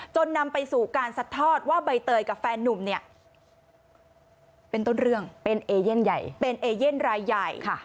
นำไปสู่การสัดทอดว่าใบเตยกับแฟนนุ่มเนี่ยเป็นต้นเรื่องเป็นเอเย่นใหญ่เป็นเอเย่นรายใหญ่